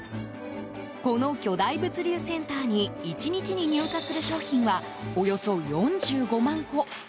この巨大物流センターに１日に入荷する商品はおよそ４５万個。